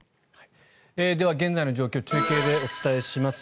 では、現在の状況を中継でお伝えします。